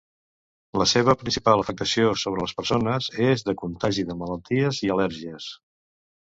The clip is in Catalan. La seva principal afectació sobre les persones és de contagi de malalties i al·lèrgies.